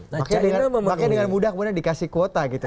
makanya dengan mudah kemudian dikasih kuota gitu